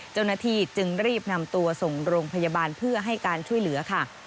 เจ้าหน้าที่จึงรีบนำตัวส่งโรงพยาบาลเพื่อให้การช่วยเหลือค่ะ